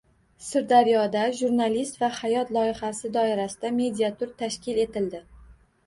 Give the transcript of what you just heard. Sirdaryoda “Jurnalist va hayot” loyihasi doirasida mediatur tashkil etildi